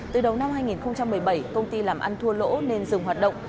từ đầu năm hai nghìn một mươi bảy công ty làm ăn thua lỗ nên dừng hoạt động